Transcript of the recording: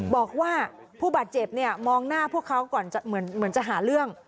บอกว่าผู้บาดเจ็บเนี่ยมองหน้าพวกเขาก่อนเหมือนจะหาเรื่อง